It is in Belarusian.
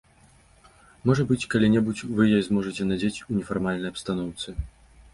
Можа быць, калі-небудзь вы яе зможаце надзець ў нефармальнай абстаноўцы.